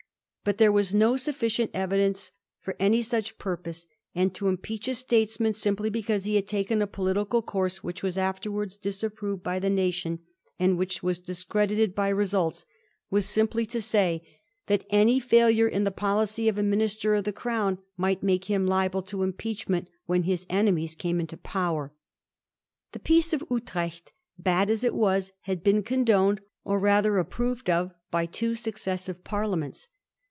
But there was no suflBicient evidence for any such purpose, and to impeach a statesman simply because he had taken a political course which was afterwards disapproved by the nation, and which was discredited by results, was simply to say that L 2 Digiti zed by Google 148 A HISTORY OF THE FOUR GEORGES. ch. vi any failure in the policy of a Minister of the Crown might make him liable to impeachment when his enemies came into power. The Peace of Utrecht, bad as it was, had been condoned, or rather approved of, by two successive Parliaments.